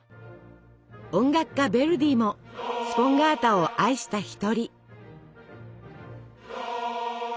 音楽家ヴェルディもスポンガータを愛した一人。